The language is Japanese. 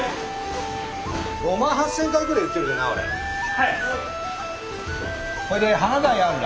はい。